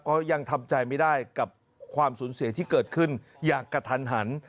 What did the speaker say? ก็ยังทำใจไม่ได้กับความสูญเสียที่เกิดขึ้นอย่างกระทันหัน